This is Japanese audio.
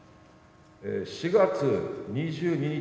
４月２２日